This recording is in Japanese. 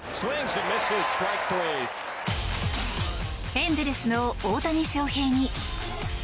エンゼルスの大谷翔平に。